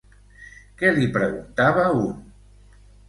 Què li preguntava un?